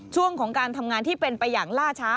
ช่วงของการทำงานที่เป็นไปอย่างล่าช้า